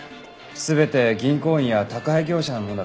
全て銀行員や宅配業者のものだと思われます。